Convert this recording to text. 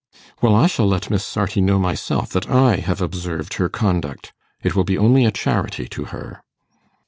'Well, I shall let Miss Sarti know myself that I have observed her conduct. It will be only a charity to her.